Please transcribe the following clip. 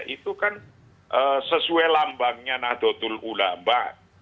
itu kan sesuai lambangnya nahdlatul ulama